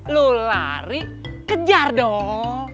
lu lari kejar dong